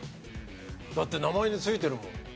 だって名前に付いてるもん。